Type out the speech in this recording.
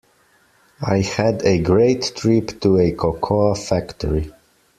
I had a great trip to a cocoa factory.